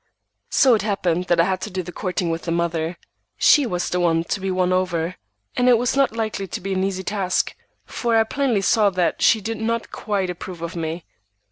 So it happened that I had to do the courting with the mother. She was the one to be won over, and it was not likely to be an easy task, for I plainly saw that she did not quite approve of me.